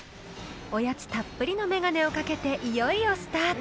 ［おやつたっぷりの眼鏡を掛けていよいよスタート］